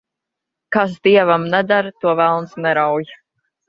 Kas dievam neder, to velns nerauj.